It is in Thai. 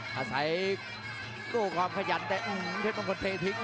ผู้แลกกันมั่นจริงครับผู้ดี